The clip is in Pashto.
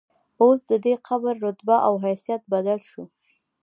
اوس ددې قبر رتبه او حیثیت بدل شو.